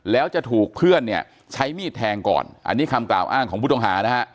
แล้วจะถูกเพื่อนเนี่ยใช้มีดแทงก่อนอันนี้คำกล่าวอ้างของผู้ต้องหานะฮะ